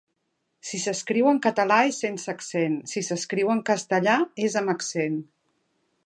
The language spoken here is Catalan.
Si s'escriu en català és sense accent, si s'escriu en castellà és amb accent.